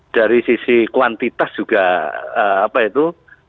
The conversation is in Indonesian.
dari sisi kuantitas juga apa itu